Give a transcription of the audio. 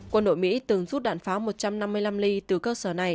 quân đội mỹ từng rút đạn pháo một trăm năm mươi năm ly từ cơ sở này